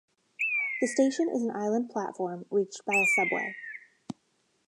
The station is an island platform reached by a subway.